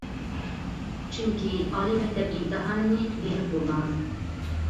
چۈنكى ئالىي مەكتەپ ئىمتىھانىنى بېرىپ بولدىڭىز.